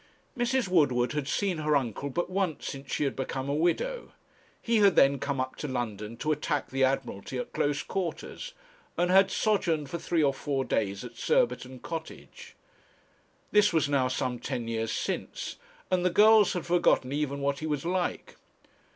Mrs. Woodward had seen her uncle but once since she had become a widow. He had then come up to London to attack the Admiralty at close quarters, and had sojourned for three or four days at Surbiton Cottage. This was now some ten years since, and the girls had forgotten even what he was like.